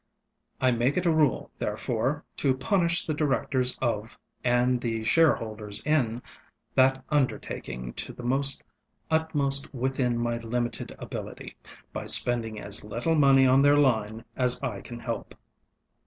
I make it a rule, therefore, to punish the directors of, and the shareholders in, that undertaking to the utmost within my limited ability, by spending as little money on their line as I can help.